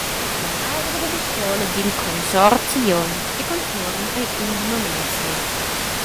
Menadra dalla scola dil Consorzi Glion e contuorn ei Irma Menzli.